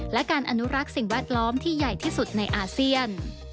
และการอนุรักษ์สิ่งแวดล้อมที่ใหญ่ที่สุดในอาเซียน